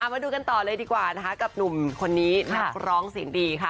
มาดูกันต่อเลยดีกว่านะคะกับหนุ่มคนนี้นักร้องเสียงดีค่ะ